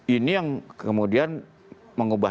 ini yang kemudian mengubah